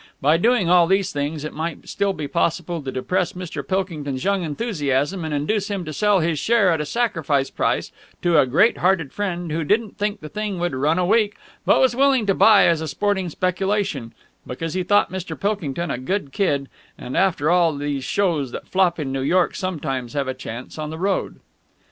by doing all these things, it might still be possible to depress Mr. Pilkington's young enthusiasm and induce him to sell his share at a sacrifice price to a great hearted friend who didn't think the thing would run a week but was willing to buy as a sporting speculation, because he thought Mr. Pilkington a good kid, and after all these shows that flop in New York sometimes have a chance on the road.